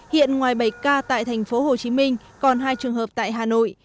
hiện ngoài bảy ca tại thành phố hồ chí minh còn hai trường hợp tại hà nội